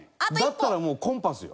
だったらもうコンパスよ。